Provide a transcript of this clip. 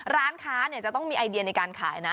ร้านค้าจะต้องมีไอเดียในการขายนะ